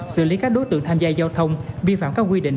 xử lý các đối tượng tham gia giao thông vi phạm các quy định